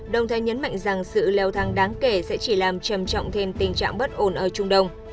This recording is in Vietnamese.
đồng thời nhấn mạnh rằng sự leo thang đáng kể sẽ chỉ làm trầm trọng thêm tình trạng bất ổn ở trung đông